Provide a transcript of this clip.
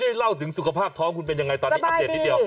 เล่าถึงสุขภาพท้องคุณเป็นยังไงตอนนี้อัปเดตนิดเดียว